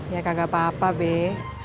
ya kagak apa apa beh